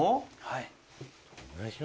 はい。